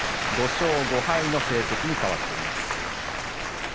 ５勝５敗の成績にかわっています。